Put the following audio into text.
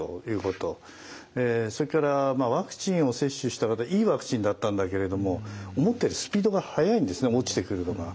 それからワクチンを接種した方いいワクチンだったんだけれども思ったよりスピードが速いんですね落ちてくるのが。